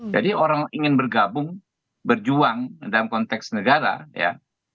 jadi orang ingin bergabung berjuang dalam konteks negara ya